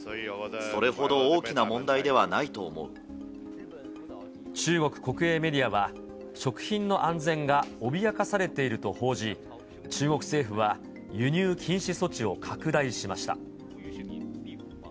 それほど大きな問題ではないと思中国国営メディアは、食品の安全が脅かされていると報じ、中国政府は輸入禁止措置を拡大しました。